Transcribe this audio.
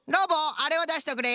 あれをだしとくれ。